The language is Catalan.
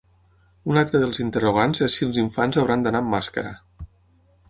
Un altre dels interrogants és si els infants hauran d’anar amb màscara.